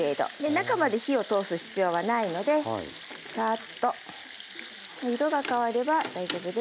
中まで火を通す必要はないのでサーッと色が変われば大丈夫です。